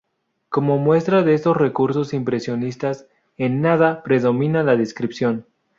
Como muestra de estos recursos impresionistas, en "Nada" predomina la descripción.